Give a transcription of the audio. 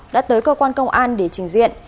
đã tới cơ quan công an để trình diện